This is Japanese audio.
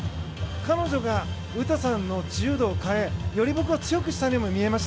彼女が詩さんの柔道を変えより強くしたようにも見えました。